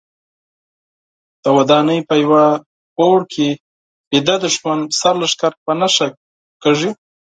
د ودانۍ په یوه پوړ کې ویده دوښمن سرلښکر په نښه کېږي.